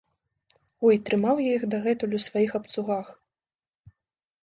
Ой, трымаў я іх дагэтуль у сваіх абцугах!